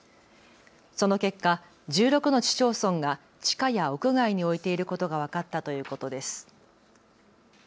その結果、１６の市町村が地下や屋外に置いていることが分かったということです。